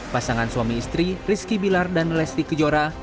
pasangan suami istri rizky bilar dan lesti kejora